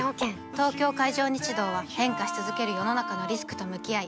東京海上日動は変化し続ける世の中のリスクと向き合い